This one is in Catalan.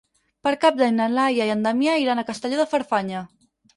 Per Cap d'Any na Laia i en Damià iran a Castelló de Farfanya.